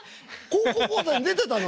「高校講座」に出てたの？